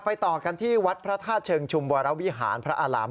ต่อกันที่วัดพระธาตุเชิงชุมวรวิหารพระอาราม